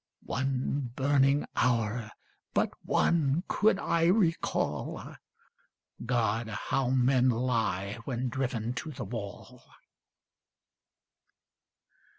(One burning hour, but one, could I recall. God! how men lie, when driven to the wall!)